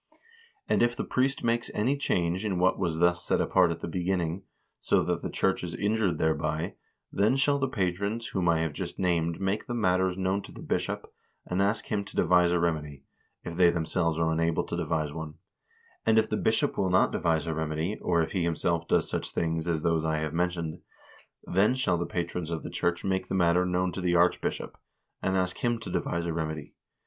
And if the priest makes any change in what was thus set apart at the beginning, so that the church is injured thereby, then shall the patrons whom I have just named make the matters known to the bishop, and ask him to devise a remedy, if they themselves are unable to devise one ; and if the bishop will not devise a remedy, or if he himself does such things as those I have mentioned, then shall the patrons of the church make the matter known to the archbishop, and ask him to devise a remedy.